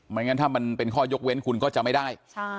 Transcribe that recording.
งั้นถ้ามันเป็นข้อยกเว้นคุณก็จะไม่ได้